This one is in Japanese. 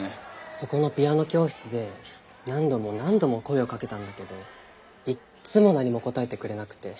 そこのピアノ教室で何度も何度も声をかけたんだけどいっつも何も答えてくれなくて。